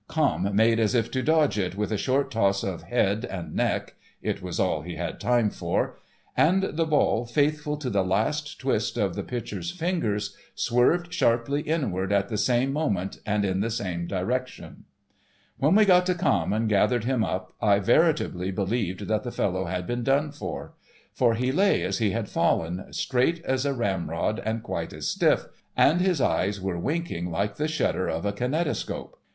Camme made as if to dodge it with a short toss of head and neck—it was all he had time for—and the ball, faithful to the last twist of the pitcher's fingers, swerved sharply inward at the same moment and in the same direction. When we got to Camme and gathered him up, I veritably believed that the fellow had been done for. For he lay as he had fallen, straight as a ramrod and quite as stiff, and his eyes were winking like the shutter of a kinetoscope.